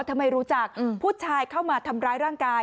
ทำไมรู้จักผู้ชายเข้ามาทำร้ายร่างกาย